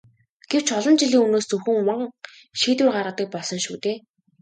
Гэвч олон жилийн өмнөөс зөвхөн ван шийдвэр гаргадаг болсон шүү дээ.